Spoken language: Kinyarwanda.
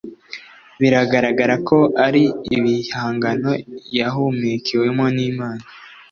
bigaragara ko ari ibihangano yahumekewemo n’Imana